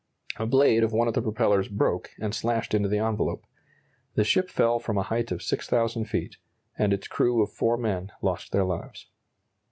A blade of one of the propellers broke and slashed into the envelope. The ship fell from a height of 6,000 feet, and its crew of four men lost their lives.